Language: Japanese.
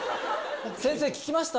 先生、聞きました？